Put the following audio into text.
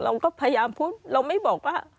เราก็พยายามพูดเราไม่บอกว่า